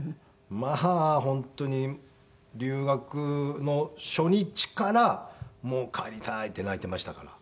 まあ本当に留学の初日からもう帰りたいって泣いてましたから。